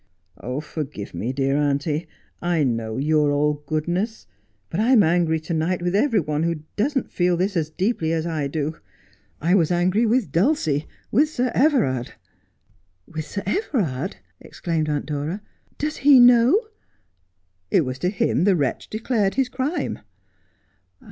' Forgive me, dear auntie. I know you are all goodness. But I am angry to night with every one who does not feel this as deeply as I do. I was angry with Dulcic — with Sir Everard.' Morton's TVomenkind. 43 ' With Sir Everard \' exclaimed Aunt Dora. ' Does he know 1 '' It was to him the wretch declared his crime.'